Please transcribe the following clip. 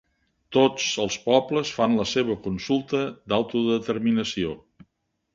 Tots els pobles fan la seva consulta d'autodeterminació.